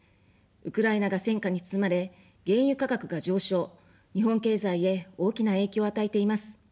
ウクライナが戦火に包まれ、原油価格が上昇、日本経済へ大きな影響を与えています。